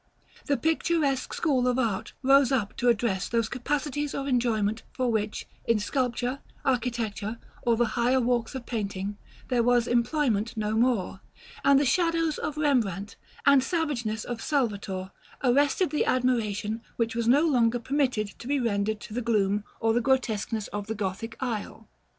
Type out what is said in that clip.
The picturesque school of art rose up to address those capacities of enjoyment for which, in sculpture, architecture, or the higher walks of painting, there was employment no more; and the shadows of Rembrandt, and savageness of Salvator, arrested the admiration which was no longer permitted to be rendered to the gloom or the grotesqueness of the Gothic aisle.